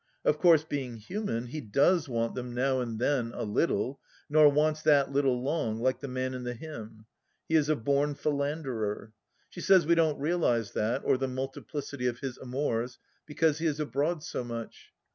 Of course, being human, he does want them now and then a little, nor wants that little long, like the man in the hymn. He is a born philanderer. She says we don't realize that, or the multiplicity of his amours, because he is abroad so much.